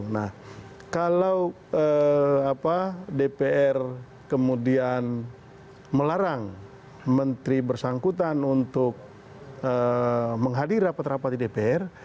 nah kalau dpr kemudian melarang menteri bersangkutan untuk menghadiri rapat rapat di dpr